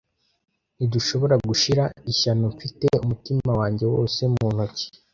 ntidushobora gushira ishyano nfite umutima wanjye wose mu ntoki